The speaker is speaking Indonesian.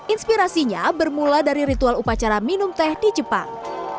inspirasinya bermula dari ritual upacara minum teh di jepang